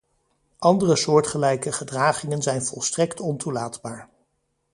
Andere soortgelijke gedragingen zijn volstrekt ontoelaatbaar.